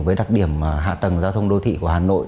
với đặc điểm hạ tầng giao thông đô thị của hà nội